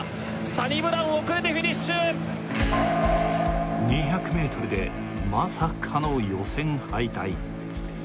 サニブラウン遅れてフィニッシュ２００ｍでまさかの予選敗退